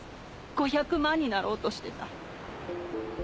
５００万になろうとしてた。